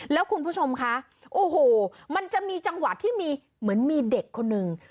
แล้วคุณผู้ชมคะโอ้โหมันจะมีจังหวะที่มีเหมือนมีเด็กคนนึง